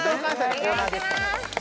お願いします